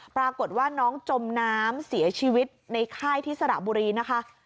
ปรากฏว่าน้องจมน้ำเสียชีวิตในค่ายที่สระบุรีนะคะ